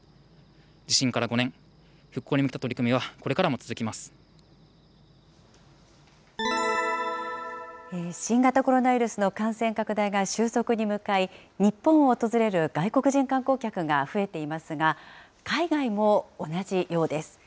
地震から５年、復興に向けた取り新型コロナウイルスの感染拡大が収束に向かい、日本を訪れる外国人観光客が増えていますが、海外も同じようです。